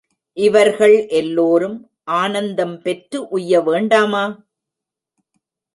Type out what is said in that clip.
இவர்கள் எல்லோரும் ஆனந்தம் பெற்று உய்ய வேண்டாமா?